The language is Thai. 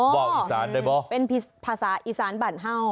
ว่าวอีสานได้ไหมเป็นภาษาอีสานบั่นเ่า